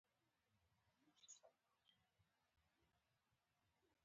نورګل کاکا: نه کنه جباره کومه خاصه خبره نه ده.